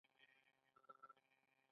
سپین غوږو چیغې کړې اروا یې په مرغانو کې ده.